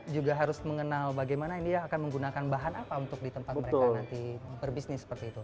juga harus mengenal bagaimana ini akan menggunakan bahan apa untuk di tempat mereka nanti berbisnis seperti itu